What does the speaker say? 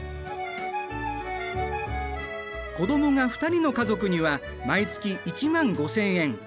子どもが２人の家族には毎月１万５，０００円。